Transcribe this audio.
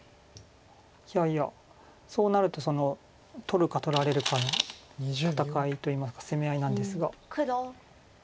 いやいやそうなると取るか取られるかの戦いといいますか攻め合いなんですが。